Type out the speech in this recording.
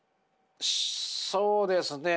そうですね。